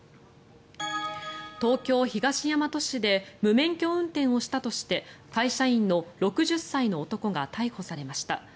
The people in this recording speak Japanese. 東京・東大和市で無免許運転をしたとして会社員の６０歳の男が逮捕されました。